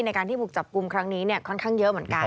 ในการที่บุกจับกลุ่มครั้งนี้ค่อนข้างเยอะเหมือนกัน